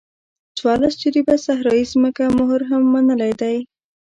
څوارلس جریبه صحرایي ځمکې مهر هم منلی دی.